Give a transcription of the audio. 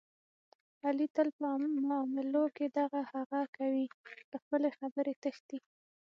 علي تل په معاملو کې دغه هغه کوي، له خپلې خبرې تښتي.